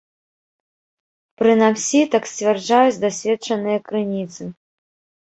Прынамсі, так сцвярджаюць дасведчаныя крыніцы.